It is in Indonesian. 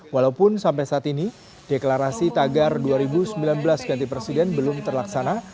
walaupun sampai saat ini deklarasi tagar dua ribu sembilan belas ganti presiden belum terlaksana